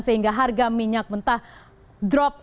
sehingga harga minyak mentah drop